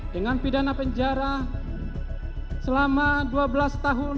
dengan pidana penjara selama dua belas tahun